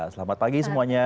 selamat pagi semuanya